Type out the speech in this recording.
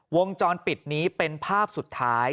วงจรปิดนี้เป็นภาพสุดท้าย